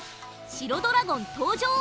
城ドラゴン登場！